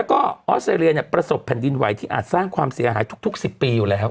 แล้วก็ออสเตรเลียเนี่ยประสบแผ่นดินไหวที่อาจสร้างความเสียหายทุก๑๐ปีอยู่แล้ว